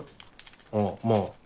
ああまぁ。